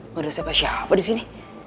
gak ada siapa siapa disini